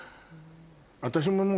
私ももう。